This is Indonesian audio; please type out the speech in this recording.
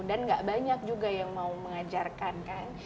dan nggak banyak juga yang mau mengajarkan kan